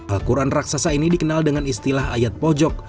al quran raksasa ini dikenal dengan istilah ayat pojok